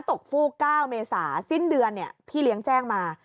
ฟูก๙เมษาสิ้นเดือนพี่เลี้ยงแจ้งมา